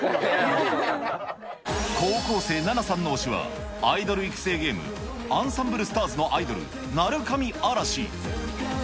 高校生、ななさんの推しはアイドル育成ゲーム、あんさんぶるスターズ！のアイドル、鳴上嵐。